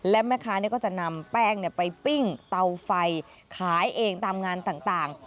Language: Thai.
และแม่ค้าก็จะนำแป้งไปปิ้งเตาไฟขายเองตามงานต่าง